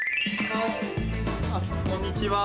こんにちは。